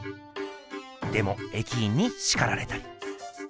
でも駅員にしかられたり。